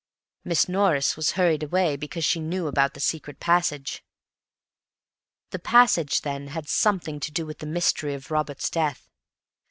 Miss Norris was hurried away because she knew about the secret passage. The passage, then, had something to do with the mystery of Robert's death.